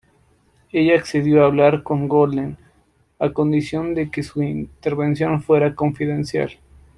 Ella accedió a hablar con Golden a condición de que su intervención fuera confidencial.